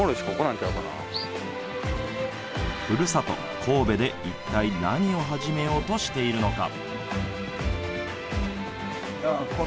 ふるさと、神戸で一体何を始めようとしているのか。